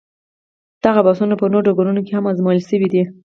دغه بحثونه په نورو ډګرونو کې هم ازمویل شوي دي.